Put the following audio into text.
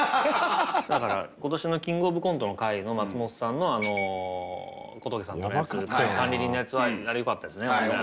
だから今年の「キングオブコントの会」の松本さんの小峠さんとのやつ管理人のやつはあれよかったですね。